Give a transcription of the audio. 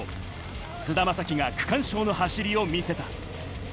津田将希が区間賞の走りを見せた。